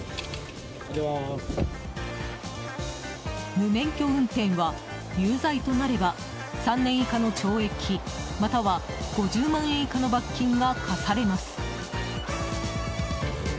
無免許運転は有罪となれば３年以下の懲役、または５０万円以下の罰金が科されます。